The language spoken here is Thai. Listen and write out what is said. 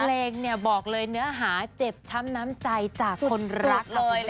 เพลงเนี่ยบอกเลยเนื้อหาเจ็บช้ำน้ำใจจากคนรักเลย